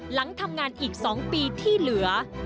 หลังทำงานอีก๒ปีที่เหลือ